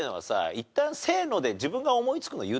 いったん「せーの」で自分が思いつくの言ってみたら？